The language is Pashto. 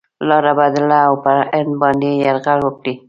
لاره بدله او پر هند باندي یرغل وکړي.